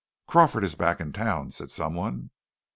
"Crawford is back in town," said some one.